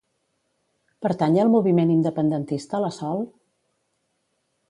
Pertany al moviment independentista la Sol?